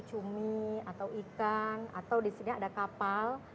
cumi atau ikan atau di sini ada kapal